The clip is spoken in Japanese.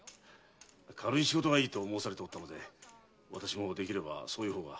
軽い仕事がいいと申されておったので私もできればそういうほうが。